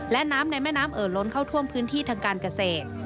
และน้ำในแม่น้ำเอ่อล้นเข้าท่วมพื้นที่ทางการเกษตร